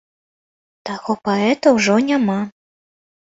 Таго паэта ўжо няма.